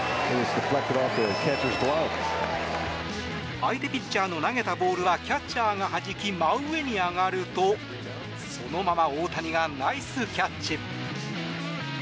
相手ピッチャーの投げたボールはキャッチャーがはじき真上に上がるとそのまま大谷がナイスキャッチ。